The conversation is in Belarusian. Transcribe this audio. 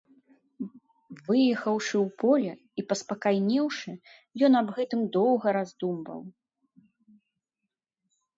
Выехаўшы ў поле і паспакайнеўшы, ён аб гэтым доўга раздумваў.